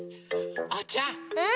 おうちゃん！